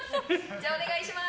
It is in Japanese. じゃあお願いします。